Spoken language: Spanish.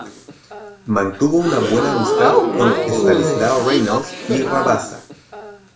Mantuvo una buena amistad con Estanislao Reynals y Rabassa.